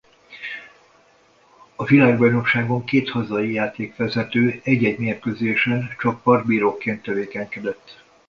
A világbajnokságon két hazai játékvezető egy-egy mérkőzésen csak partbíróként tevékenykedett.